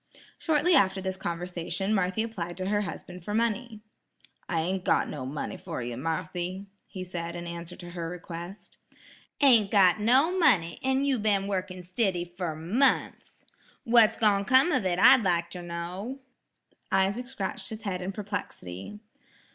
Shortly after this conversation, Marthy applied to her husband for money. "I ain't got no money fer ye, Marthy," he said in answer to her request. "Ain't got no money, an' you been wurkin' stiddy fer munfs! What's gone come of it I'd like ter know." Isaac scratched his head in perplexity.